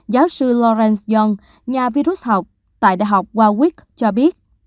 giáo sư lawrence young nhà virus học tại đại học warwick cho biết